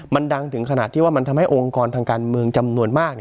มันดังถึงขนาดที่ว่ามันทำให้องค์กรทางการเมืองจำนวนมาก